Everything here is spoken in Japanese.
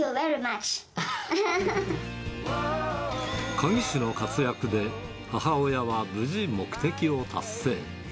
鍵師の活躍で、母親は無事、目的を達成。